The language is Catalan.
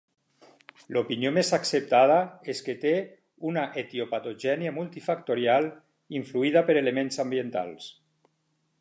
L'opinió més acceptada és que té una etiopatogènia multifactorial influïda per elements ambientals.